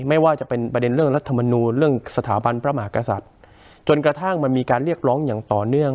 ไม่ว่าจะเป็นประเด็นเรื่องรัฐมนูลเรื่องสถาบันพระมหากษัตริย์จนกระทั่งมันมีการเรียกร้องอย่างต่อเนื่อง